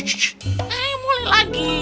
eh mulai lagi